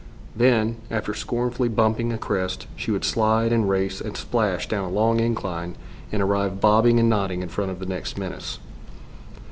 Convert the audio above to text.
Then, after scornfully bumping a crest, she would slide, and race, and splash down a long incline, and arrive bobbing and nodding in front of the next menace.